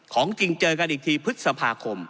ของจริงเจอกันอีกทีพฤษภาคม